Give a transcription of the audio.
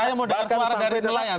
saya mau dengar suara dari nelayan